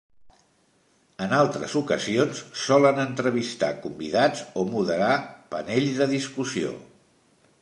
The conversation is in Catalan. En altres ocasions, solen entrevistar convidats o moderar panells de discussió.